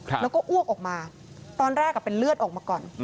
แล้วก็อ้วกออกมาตอนแรกเป็นเลือดออกมาก่อน